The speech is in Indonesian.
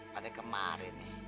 pada kemarin nih